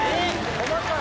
細かい。